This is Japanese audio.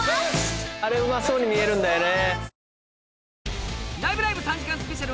あれうまそうに見えるんだよね